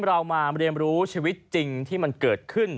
เรามาเรียนรู้ชีวิตจริงที่มันเกิดขึ้น